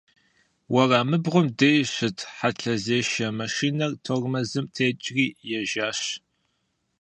Уэрамыбгъум деж щыт хьэлъэзешэ машинэр тормозым текӀри ежьащ.